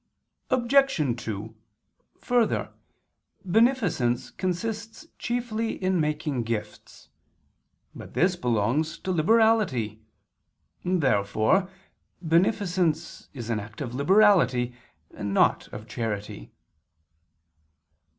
Obj. 2: Further, beneficence consists chiefly in making gifts. But this belongs to liberality. Therefore beneficence is an act of liberality and not of charity.